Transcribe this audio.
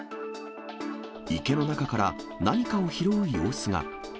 池の中から何かを拾う様子が。